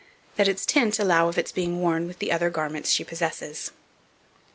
That its tint allow of its being worn with the other garments she possesses.